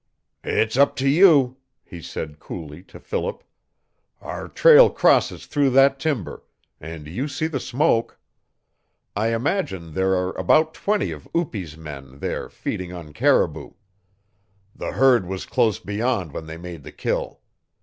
"It's up to you," he said coolly to Philip. "Our trail crosses through that timber and you see the smoke. I imagine there are about twenty of Upi's men there feeding on caribou. The herd was close beyond when they made the kill.